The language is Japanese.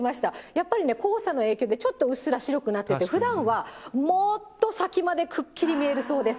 やっぱり黄砂の影響で、ちょっとうっすら白くなってて、ふだんはもっと先までくっきり見えるそうです。